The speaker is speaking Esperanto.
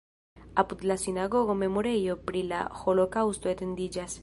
Apud la sinagogo memorejo pri la holokaŭsto etendiĝas.